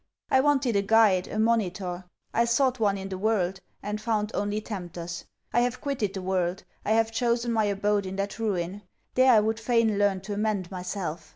I wanted a guide, a monitor. I sought one in the world, and found only tempters. I have quitted the world. I have chosen my abode in that Ruin. There I would fain learn to amend myself.